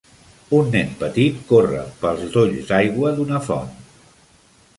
Un nen petit corre pel dolls d'aigua d'una font.